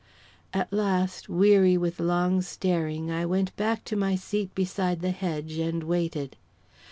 At last, weary with long staring, I went back to my seat beside the hedge and waited.